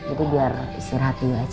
itu biar istirahat dulu aja